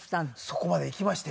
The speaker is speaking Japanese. そこまでいきましたよ。